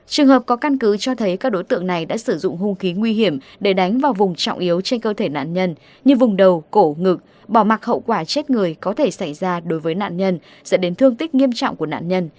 trường hợp có căn cứ cho thấy các đối tượng này đã sử dụng hung khí nguy hiểm để đánh vào vùng trọng yếu trên cơ thể nạn nhân như vùng đầu cổ ngực bỏ mặc hậu quả chết người có thể xảy ra đối với nạn nhân dẫn đến thương tích nghiêm trọng của nạn nhân